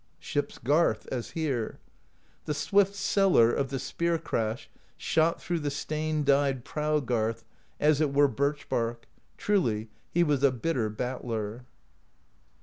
Ship's Garth, as here: The swift Sweller of the Spear Crash Shot through the stain dyed Prow Garth As it were birch bark; truly He was a bitter battler.